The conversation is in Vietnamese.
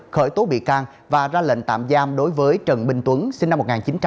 khởi tố bị can và ra lệnh tạm giam đối với trần bình tuấn sinh năm một nghìn chín trăm tám mươi